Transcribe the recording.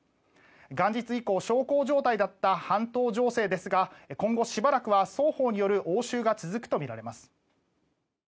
元日以降、小康状態だった半島情勢ですが今後、しばらくは双方による応酬が続くとみられます。